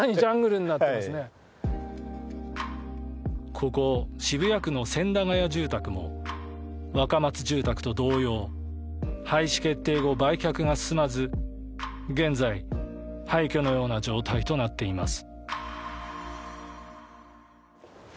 ここ、渋谷区の千駄ヶ谷住宅も若松住宅と同様廃止決定後、売却が進まず現在、廃虚のような状態となっています。